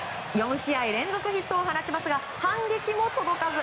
４試合連続ヒットを放ちますが反撃もとどまず。